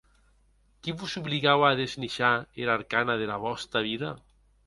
Qui vos obligaue a desnishar era arcana dera vòsta vida?